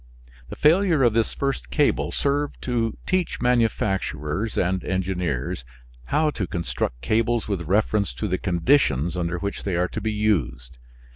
The failure of this first cable served to teach manufacturers and engineers how to construct cables with reference to the conditions under which they are to be used.